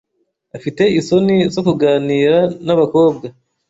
Afite isoni zo kuganira nabakobwa.